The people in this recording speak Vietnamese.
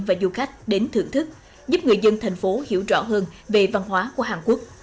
và du khách đến thưởng thức giúp người dân thành phố hiểu rõ hơn về văn hóa của hàn quốc